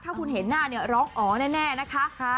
ถ้าคุณเห็นหน้าเนี่ยร้องอ๋อแน่นะคะ